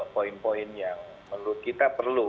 poin poin yang menurut kita perlu